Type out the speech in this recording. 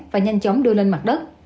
và nhanh chóng đưa lên mặt đất